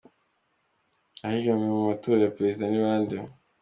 Abahiganywe mu matora ya prezida ni bande?.